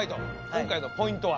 今回のポイントは？